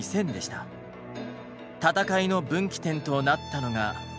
戦いの分岐点となったのが。